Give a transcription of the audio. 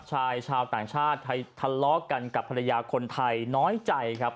ชายชาวต่างชาติไทยทะเลาะกันกับภรรยาคนไทยน้อยใจครับ